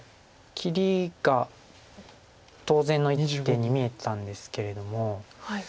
切りが当然の一手に見えたんですけれども。